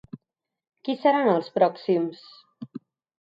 Qui seran els pròxims?